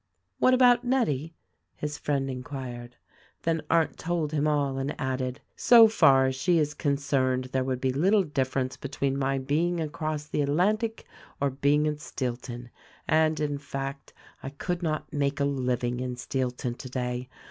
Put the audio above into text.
"What about Nettie ?" his friend inquired. Then Arndt told him all and added, "So far as she is con cerned there would be little difference between my being across the Atlantic or being at Steelton. And, in fact, I could not make a living in Steelton today.